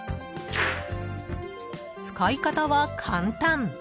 ［使い方は簡単］